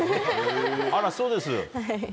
あらそうです？